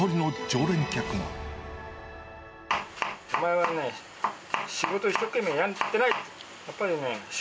お前はね、仕事を一生懸命やってない！